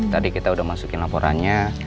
tadi kita udah masukin laporannya